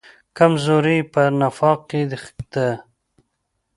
کمزوري یې په نفاق کې ده.